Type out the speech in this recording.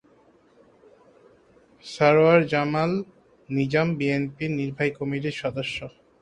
সরওয়ার জামাল নিজাম বিএনপির নির্বাহী কমিটির সদস্য।